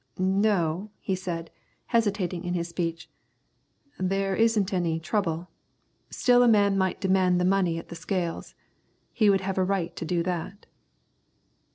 "No," he said, hesitating in his speech, "there isn't any trouble. Still a man might demand the money at the scales. He would have a right to do that."